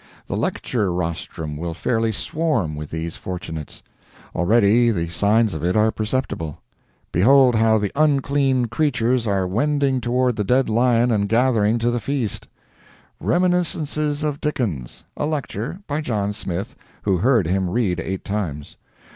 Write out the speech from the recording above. The lecture rostrums will fairly swarm with these fortunates. Already the signs of it are perceptible. Behold how the unclean creatures are wending toward the dead lion and gathering to the feast: "Reminiscences of Dickens." A lecture. By John Smith, who heard him read eight times.